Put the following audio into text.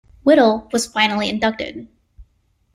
Whittall was finally inducted.